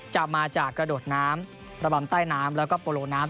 จะมาจากกระโดดน้ำระบำใต้น้ำแล้วก็โปโลน้ำ